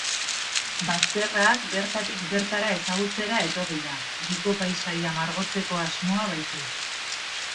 Bazterrak bertatik bertara ezagutzera etorri da, hiriko paisaia margotzeko asmoa baitu.